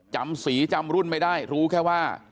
จำสีจำรุ่นไม่ได้รู้แค่ว่า